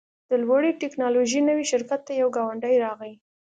د لوړې ټیکنالوژۍ نوي شرکت ته یو ګاونډی راغی